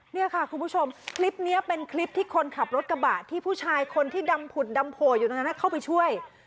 นี่ค่ะคุณผู้ชมคลิปนี้เป็นคลิปที่คนขับรถกระบะที่ผู้ชายคนที่ดำผุดดำโผล่อยู่ตรงนั้นเข้าไปช่วย